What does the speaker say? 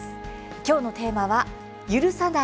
今日のテーマは「許さない！